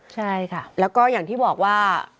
ใช่ค่ะแล้วก็อย่างที่บอกว่า